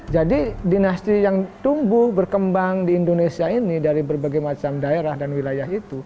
jadi dinasti yang tumbuh berkembang di indonesia ini dari berbagai macam daerah dan wilayah